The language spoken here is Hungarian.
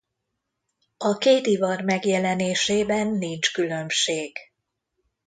A két ivar megjelenésében nincs különbség.